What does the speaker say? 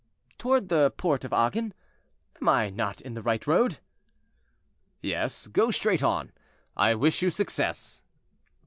"Toward the Porte of Agen. Am I not in the right road?" "Yes, go straight on; I wish you success."